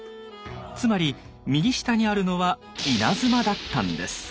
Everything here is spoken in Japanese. つまり右下にあるのは稲妻だったんです。